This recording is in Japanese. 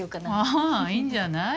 ああいいんじゃない？